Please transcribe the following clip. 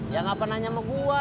ya enggak pernah nanya sama gue